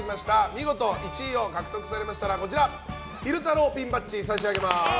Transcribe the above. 見事１位を獲得されましたら昼太郎ピンバッジを差し上げます。